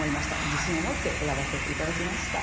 自信を持って選ばせて頂きました。